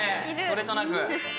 それとなく。